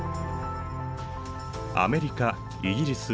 アメリカイギリス